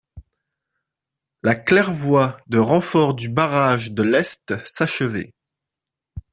La claire-voie de renfort du barrage de l’est s’achevait.